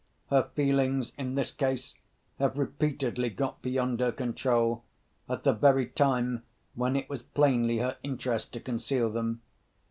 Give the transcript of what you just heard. Her feelings, in this case, have repeatedly got beyond her control, at the very time when it was plainly her interest to conceal them.